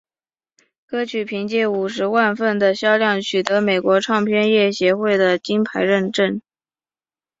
歌曲凭借五十万份的销量取得美国唱片业协会的金牌认证。